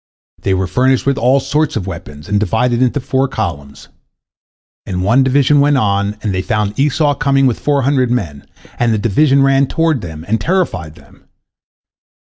They were furnished with all sorts of weapons, and divided into four columns. And one division went on, and they found Esau coming with four hundred men, and the division ran toward them, and terrified them.